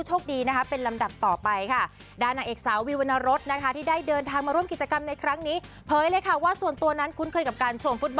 ชั้นมีโอกาสได้ไปเอ่อกินข้าวกันสักวันหนึ่ง